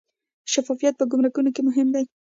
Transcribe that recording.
شفافیت په ګمرکونو کې مهم دی